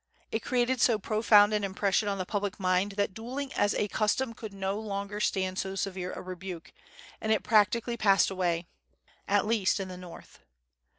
It created so profound an impression on the public mind that duelling as a custom could no longer stand so severe a rebuke, and it practically passed away, at least at the North.